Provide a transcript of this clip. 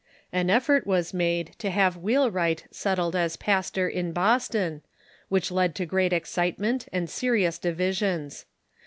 An effort was made to have Wheelwright settled as pastor in Boston, which led to great excitement and serious divisions.